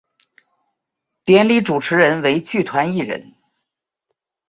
典礼主持人为剧团一人。